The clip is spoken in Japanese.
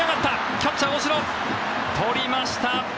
キャッチャー、大城とりました！